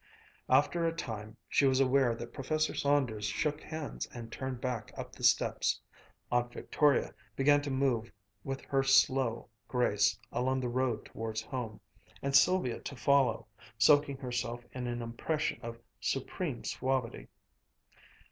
After a time she was aware that Professor Saunders shook hands and turned back up the steps. Aunt Victoria began to move with her slow grace along the road towards home, and Sylvia to follow, soaking herself in an impression of supreme suavity.